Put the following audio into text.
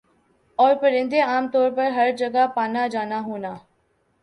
اورپرندے عام طور پر ہَر جگہ پانا جانا ہونا